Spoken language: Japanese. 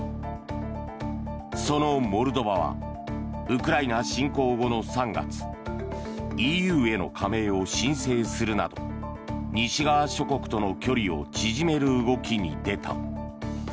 そのモルドバはウクライナ侵攻後の３月ＥＵへの加盟を申請するなど西側諸国との距離を縮める動きに出た。